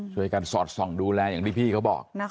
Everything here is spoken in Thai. สอดส่องดูแลอย่างที่พี่เขาบอก